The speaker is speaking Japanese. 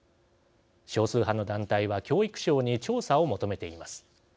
少数派の団体は教育省に調査を求めています。